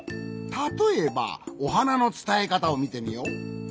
たとえば「おはな」のつたえかたをみてみよう。